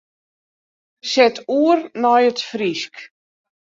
Set oer nei it Frysk.